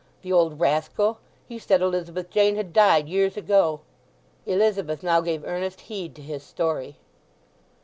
The old rascal!—he said Elizabeth Jane had died years ago." Elizabeth now gave earnest heed to his story.